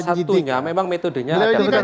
salah satunya memang metodenya beliau ini kan jaksa